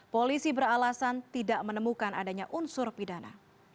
polisi beralasan tidak menemukan adanya unsur pidana